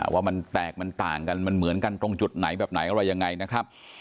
ว่ามันแตกมันต่างกันมันเหมือนกันตรงจุดไหนแบบไหนอะไรยังไงนะครับ